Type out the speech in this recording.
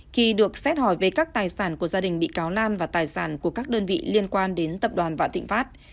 khi được xét hỏi về các tài sản của gia đình bị cáo nam và tài sản của các đơn vị liên quan đến tập đoàn vạn thịnh pháp